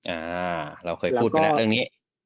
อ่าเราเคยพูดไปแล้วเรื่องนี้